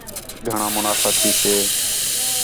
گھݨاں منافع تھیسے